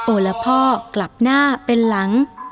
ละพ่อกลับหน้าเป็นหลัง